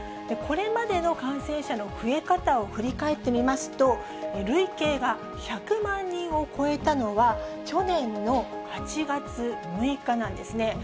これまでの感染者の増え方を振り返ってみますと、累計が１００万人を超えたのは、去年の８月６日なんですね。